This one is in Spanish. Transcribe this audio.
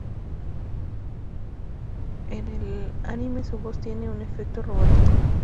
En el anime su voz tiene un efecto robótico.